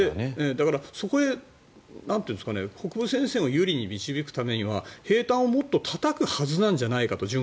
だから、そこへ北部戦線を有利に導くためには平たんをもっとたたくはずなんじゃないかと。